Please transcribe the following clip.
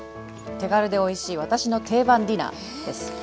手軽でおいしい私の定番ディナーです。